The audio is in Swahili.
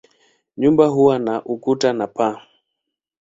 Nyumba huwa na ukuta na paa.